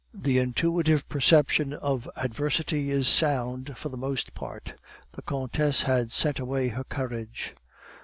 "The intuitive perception of adversity is sound for the most part; the countess had sent away her carriage.